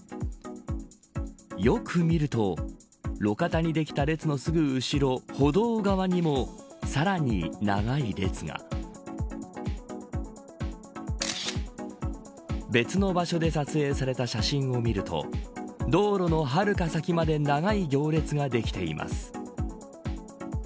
よく見ると路肩にできた列のすぐ後ろ歩道側にも、さらに長い列が別の場所で撮影された写真を見ると道路のはるか先まで長い行列ができています。